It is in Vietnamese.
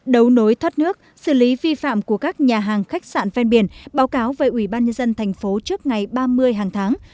đấu nối thoát nước xử lý vi phạm của các nhà hàng khách sạn ven biển báo cáo về ubnd tp trước ngày ba mươi hàng tháng